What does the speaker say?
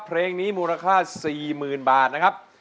เพลงนี้มูลค่า๔๐๐๐บาทนะครับ